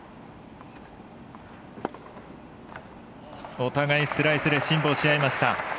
お互いスライスで辛抱しあいました。